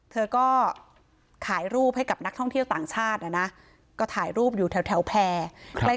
เธอก็ขายรูปให้กับนักท่องเที่ยวต่างชาตินะก็ถ่ายรูปอยู่แถวแพร่ใกล้